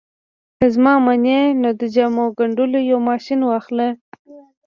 که زما منې نو د جامو ګنډلو یو ماشين واخله